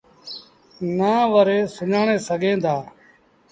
نآ وري سُڃآڻي سگھينٚ دآ